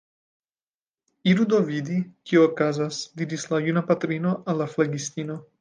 Iru do vidi, kio okazas, diris la juna patrino al la flegistino.